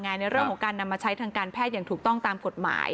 ในเรื่องของการนำมาใช้ทางการแพทย์อย่างถูกต้องตามกฎหมาย